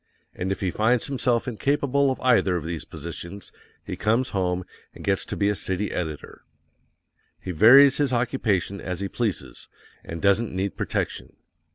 AND IF HE FINDS HIMSELF INCAPABLE OF EITHER OF THESE POSITIONS, he comes home, and gets to be a city editor_. He varies his occupation as he pleases, and doesn't need protection.